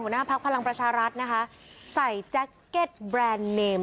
หัวหน้าภาคพลังประชาราชนะคะใส่แจ็คเก็ตแบรนด์เนม